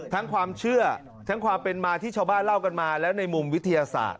ความเชื่อทั้งความเป็นมาที่ชาวบ้านเล่ากันมาแล้วในมุมวิทยาศาสตร์